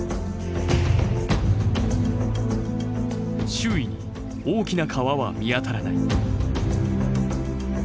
周囲に大きな川は見当たらない。